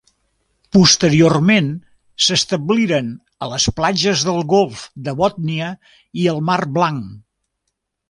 Posteriorment s'establiren a les platges del golf de Bòtnia i el Mar Blanc.